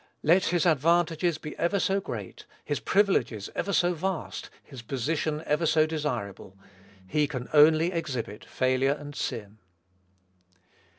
Let his advantages be ever so great, his privileges ever so vast, his position ever so desirable, he can only exhibit failure and sin.